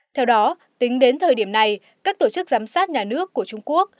theo đó tính đến thời điểm này các tổ chức giám sát nhà nước của trung quốc